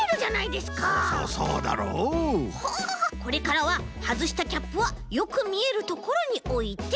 これからははずしたキャップはよくみえるところにおいて。